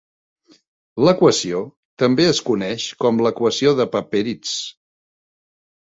L'equació també es coneix com l'equació de Papperitz.